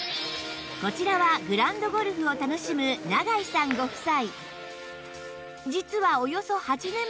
こちらはグラウンド・ゴルフを楽しむ永井さんご夫妻